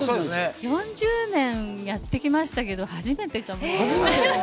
４０年やってきましたけど、初めて。